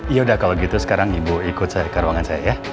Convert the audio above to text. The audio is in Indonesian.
yaudah kalau gitu sekarang ibu ikut ke ruangan saya ya